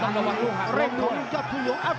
ระวังลูกหักลูกหัก